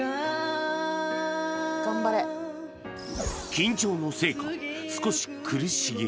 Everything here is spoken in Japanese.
緊張のせいか少し苦しげ